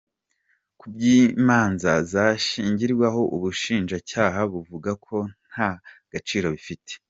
Ku by’imanza zashingirwaho, ubushinjacyaha buvuga ko nta gaciro bifite.